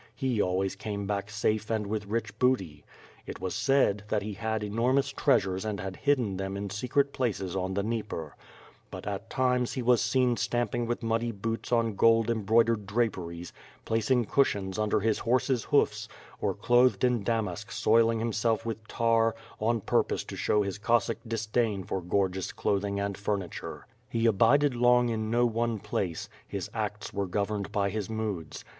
He always came back safe and with rich booty. It was said, that he had enormous treasure<i and had hidden them in secret places on the Dnieper, But at times he was seen stamping with muddy boots on gold embroidered draperies, placing cushions under his horse's hoofs; or clothed in damask soiling himself with tar, on purpose to show his Cossack disdain for gorgeous clothing and furniture. He abided long in no one place; his acts were governed by his moods.